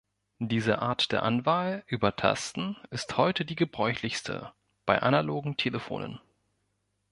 Diese Art der Anwahl über Tasten ist heute die gebräuchlichste bei analogen Telefonen.